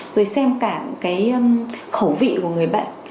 rồi xem cả cái khẩu vị của người bệnh